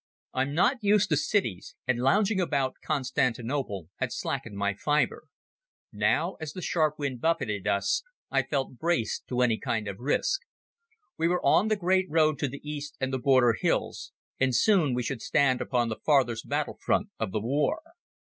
I'm not used to cities, and lounging about Constantinople had slackened my fibre. Now, as the sharp wind buffeted us, I felt braced to any kind of risk. We were on the great road to the east and the border hills, and soon we should stand upon the farthest battle front of the war.